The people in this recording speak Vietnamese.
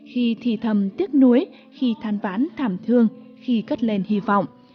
khi thì thầm tiếc núi khi than ván thảm thương khi cất lên hy vọng